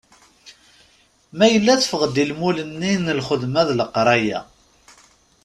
Ma yella teffeɣ-d i lmul-nni n lxedma d leqraya.